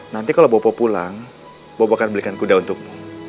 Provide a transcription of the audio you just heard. nanti kalau bopo pulang bopo akan belikan kuda untukmu